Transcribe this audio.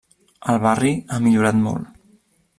El barri ha millorat molt.